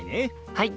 はい！